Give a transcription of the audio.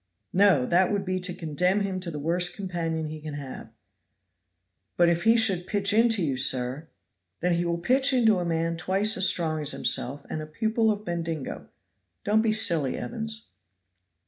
"No! that would be to condemn him to the worst companion he can have." "But if he should pitch into you, sir?" "Then he will pitch into a man twice as strong as himself, and a pupil of Bendigo. Don't be silly, Evans."